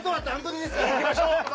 いきましょう！